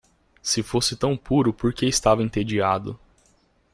Se fosse tão puro, por que estava entediado?